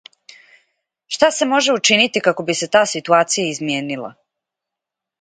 Шта се може учинити како би се та ситуација измијенила?